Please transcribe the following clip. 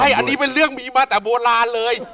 อันนี้เป็นเรื่องมีมาแต่โบราณเลย